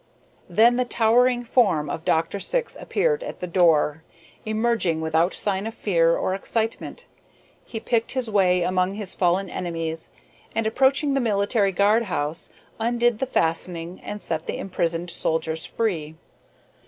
Then the towering form of Dr. Syx appeared at the door. Emerging without sign of fear or excitement, he picked his way among his fallen enemies, and, approaching the military guard house, undid the fastening and set the imprisoned soldiers free.